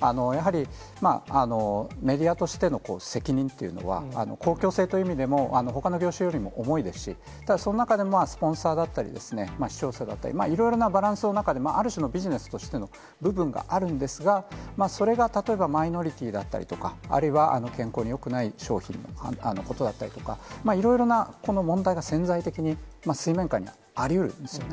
やはりメディアとしての責任というのは、公共性という意味でも、ほかの業種よりも重いですし、ただその中でもスポンサーだったりですね、視聴者だったり、いろいろなバランスの中で、ある種のビジネスとしての部分があるんですが、それが例えばマイノリティーだったりとか、あるいは健康によくない商品のことだったりとか、いろいろなこの問題が潜在的に水面下にありうるんですね。